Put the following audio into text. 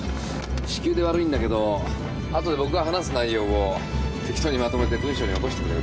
至急で悪いんだけど後で僕が話す内容を適当にまとめて文章に起こしてくれるかな？